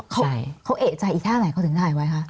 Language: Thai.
เขาเอกใจอีกท่าไหนเขาถึงถ่ายไว้คะ